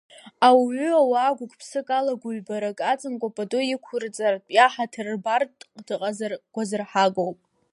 Ауаҩы ауаа гәык-ԥсыкала, гәыҩбарак аҵамкәа пату иқәырҵартә, иаҳаҭыр рбартә дыҟазар гәазырҳагоуп!